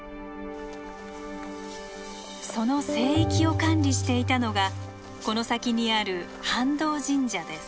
その聖域を管理していたのがこの先にある飯道神社です。